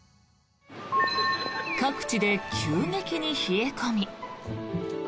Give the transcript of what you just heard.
各地で急激に冷え込み。